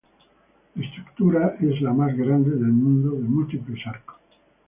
La estructura es la más grande del mundo de múltiples arcos.